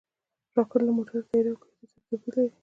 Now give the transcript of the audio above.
راکټ له موټرو، طیارو او کښتیو سره توپیر لري